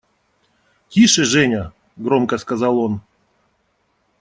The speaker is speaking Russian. – Тише, Женя! – громко сказал он.